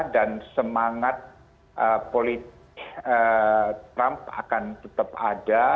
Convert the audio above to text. dan semangat trump akan tetap ada